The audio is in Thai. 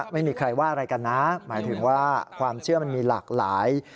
ไม่มีใครว่าอะไรกันนะหมายถึงว่าความเชื่อมันมีหลากหลาย